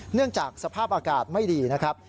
เนื่องจากสภาพอากาศไม่ดีนะครับ